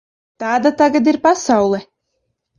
Tāda tagad ir pasaule.